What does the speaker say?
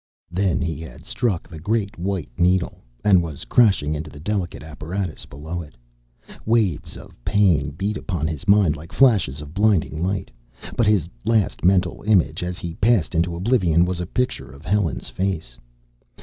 Then he had struck the great white needle, and was crashing into the delicate apparatus below it. Waves of pain beat upon his mind like flashes of blinding light. But his last mental image, as he passed into oblivion, was a picture of Helen's face.